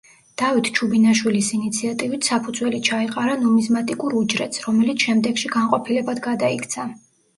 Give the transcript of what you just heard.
დავით ჩუბინაშვილის ინიციატივით საფუძველი ჩაეყარა ნუმიზმატიკურ უჯრედს, რომელიც შემდეგში განყოფილებად გადაიქცა.